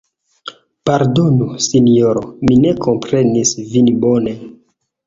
Pardonu, Sinjoro, mi ne komprenis vin bone.